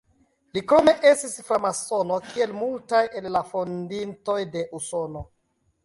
Li krome estis framasono, kiel multaj el la fondintoj de Usono.